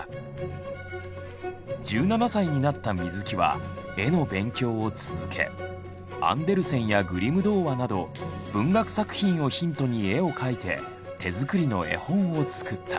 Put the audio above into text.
１７歳になった水木は絵の勉強を続けアンデルセンやグリム童話など文学作品をヒントに絵を描いて手作りの絵本を作った。